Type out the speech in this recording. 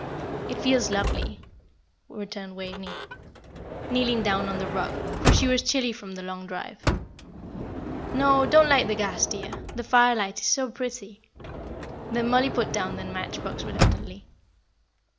"It feels lovely," returned Waveney, kneeling down on the rug, for she was chilly from the long drive. "No, don't light the gas, dear, the firelight is so pretty." Then Mollie put down the match box reluctantly.